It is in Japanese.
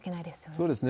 そうですね。